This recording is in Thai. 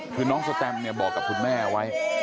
คือน้องสแตมเนี่ยบอกกับคุณแม่ไว้